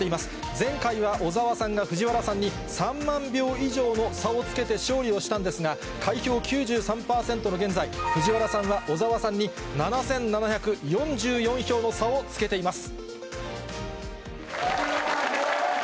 前回は小沢さんが藤原さんに３万票以上の差をつけて勝利をしたんですが、開票９３％の現在、藤原さんは小沢さんに７７４４票の差をつけています。